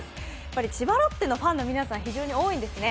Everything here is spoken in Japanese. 千葉ロッテのファンの皆さん、非常に多いですね。